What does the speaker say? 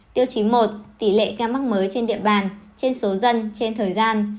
tiêu chí một tỷ lệ ca mắc mới trên địa bàn trên số dân trên thời gian